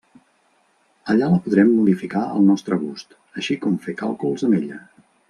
Allà la podrem modificar al nostre gust, així com fer càlculs amb ella.